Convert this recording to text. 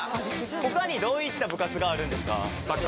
ほかにどういった部活があるんですか？